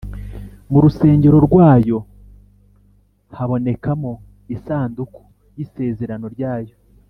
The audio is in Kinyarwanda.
mu rusengero rwayo habonekamo isanduku y’isezerano ryayo,